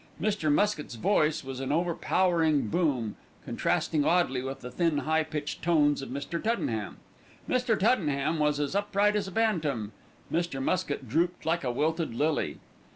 Mr. Muskett's voice was an overpowering boom, contrasting oddly with the thin, high pitched notes of Mr. Tuddenham. Mr. Tuddenham was as upright as a bantam; Mr. Muskett drooped like a wilted lily.